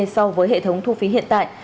so với hệ thống thu phí hiện tại